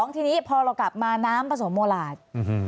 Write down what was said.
๒ทีนี้พอเรากลับมาน้ำประสงค์โมราช